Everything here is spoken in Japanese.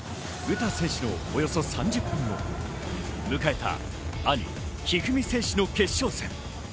詩選手のおよそ３０分後、迎えた兄・一二三選手の決勝戦。